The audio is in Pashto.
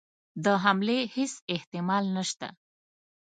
د حملې هیڅ احتمال نسته.